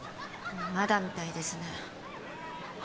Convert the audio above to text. まだみたいですね